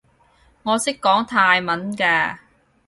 我識講泰文㗎